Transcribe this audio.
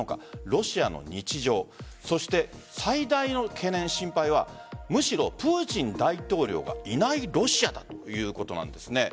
ロシアの日常そして最大の懸念、心配はむしろプーチン大統領がいないロシアだということなんです。